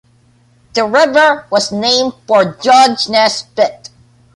The river was named for Dungeness Spit.